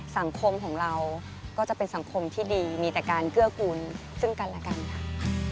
สังคมของเราก็จะเป็นสังคมที่ดีมีแต่การเกื้อกูลซึ่งกันและกันค่ะ